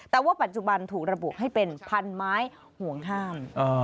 แต่ว่าปัจจุบันถูกระบุให้เป็นพันไม้ห่วงห้าม